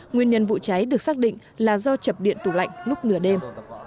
nguyên nhân vụ cháy được xác định là do chập điện tủ lạnh lúc nửa đêm